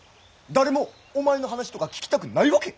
誰もお前の話とか聞きたくないわけ。